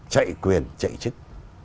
chạy quyền chạy chức